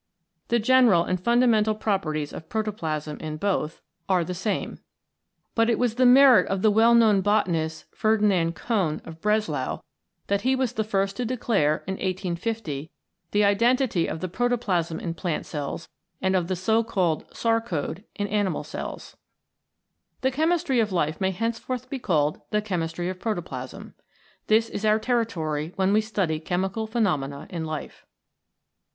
The general and funda mental properties of protoplasm in both are the CHEMICAL PHENOMENA IN LIFE same. But it was the merit of the well known botanist Ferdinand Colin, of Breslau, that he was the first to declare, in 1850, the identity of the protoplasm in plant cells and of the so called Sarcode in animal cells. The Chemistry of Life may henceforth be called the Chemistry of Protoplasm. This is our territory when we study Chemical Phenomena in Life.